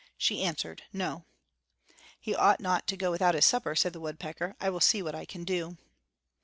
She answered, "No." "He ought not to go without his supper," said the woodpecker. "I will see what I can do."